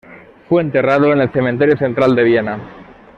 Fue enterrado en el Cementerio central de Viena.